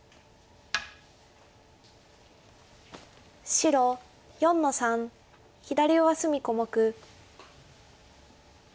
白４の三左上隅小目。